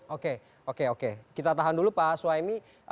oke oke oke kita tahan dulu pak suhaimi